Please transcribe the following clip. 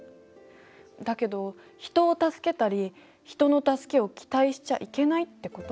だけど人を助けたり人の助けを期待しちゃいけないってこと？